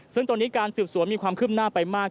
ซึ่งตอนนี้การสืบสวนมีความคืบหน้าไปมาก